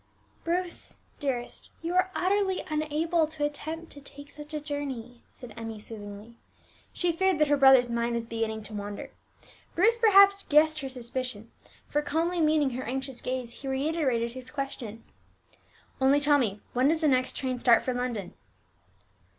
"Bruce, dearest, you are utterly unable to attempt to take such a journey," said Emmie soothingly. She feared that her brother's mind was beginning to wander. Bruce perhaps guessed her suspicion, for calmly meeting her anxious gaze he reiterated his question, "Only tell me, when does the next train start for London?"